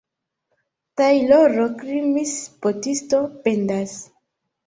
Tajloro krimis, botisto pendas.